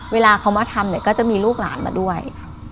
เวลาเขามาทำเนี่ยก็จะมีลูกหลานมาด้วย